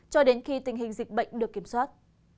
cho đến khi tình hình dịch bệnh được kiểm soát